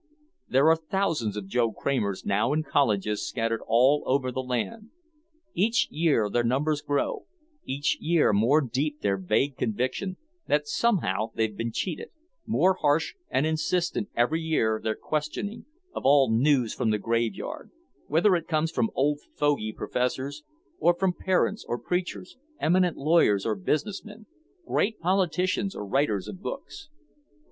There are thousands of Joe Kramers now in colleges scattered all over the land. Each year their numbers grow, each year more deep their vague conviction that somehow they've been cheated, more harsh and insistent every year their questioning of all "news from the graveyard," whether it comes from old fogey professors or from parents or preachers, eminent lawyers or business men, great politicians or writers of books.